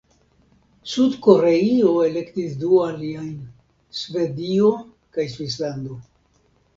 Sud-Koreio elektis du aliajn: Svedio kaj Svislando.